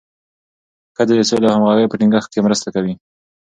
ښځې د سولې او همغږۍ په ټینګښت کې مرسته کوي.